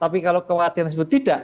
apa yang akan dilakukan